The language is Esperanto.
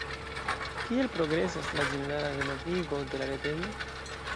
Kiel progresas la ĝenerala renovigo de la retejo?